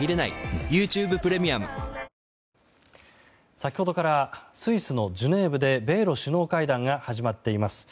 先ほどからスイスのジュネーブで米露首脳会談が始まっています。